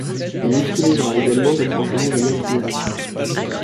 Il utilisera également des procédés de maquillage.